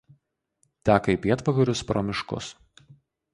Teka į pietvakarius pro miškus.